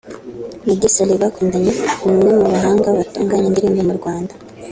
Meddy Saleh bakundanye ni umwe mu bahanga batunganya indirimbo mu Rwanda